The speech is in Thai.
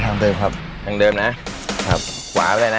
ภาพถูกจะมา